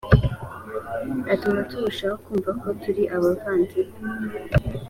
atuma turushaho kumva ko turi abavandimwe